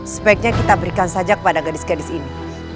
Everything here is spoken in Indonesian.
sebaiknya kita berikan saja kepada gadis gadis ini